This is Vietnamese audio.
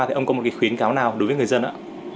thì ông có một cái khuyến cáo nào đối với người dân ạ